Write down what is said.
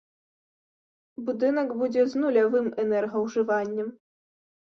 Будынак будзе з нулявым энергаўжываннем.